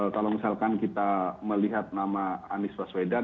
kalau misalkan kita melihat nama anies baswedan